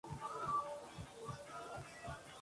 Se distribuyen por el paleártico y la región indomalaya.